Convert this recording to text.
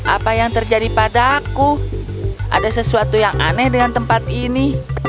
apa yang terjadi pada aku ada sesuatu yang aneh dengan tempat ini